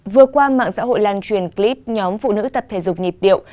vừa qua mạng xã hội lan truyền clip nhóm phụ nữ tập thể dục nhịp điệu